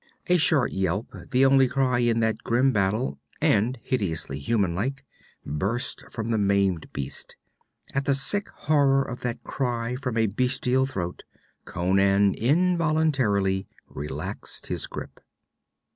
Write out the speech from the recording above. A short yelp, the only cry in that grim battle, and hideously human like, burst from the maimed beast. At the sick horror of that cry from a bestial throat, Conan involuntarily relaxed his grip.